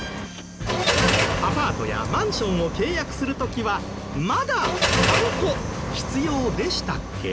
アパートやマンションを契約する時はまだはんこ必要でしたっけ？